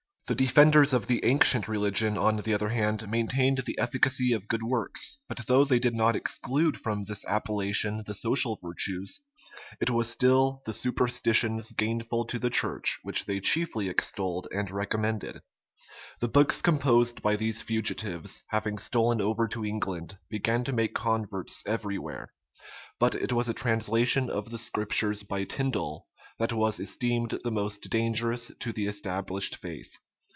The defenders of the ancient religion, on the other hand, maintained the efficacy of good works; but though they did not exclude from this appellation the social virtues, it was still the superstitions gainful to the church which they chiefly extolled and recommended. The books composed by these fugitives, having stolen over to England, began to make converts every where; but it was a translation of the Scriptures by Tindal that was esteemed the most dangerous to the established faith.